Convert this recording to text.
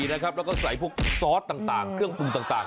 แล้วก็ใส่พวกซอสต่างเครื่องปรุงต่าง